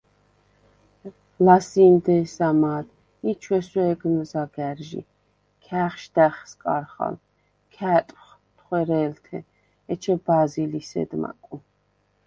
ლასი̄მ დე̄სა მა̄დ ი ჩვესუ̄̈გნ ზაგა̈რჟი. ქა̄̈ხშდა̈ხ სკარხალ, ქა̄̈ტვხ თხუ̈რე̄ლთე. ეჩე ბა̄ზი ლისედ მაკუ.